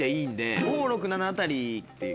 ５・６・７あたりっていう。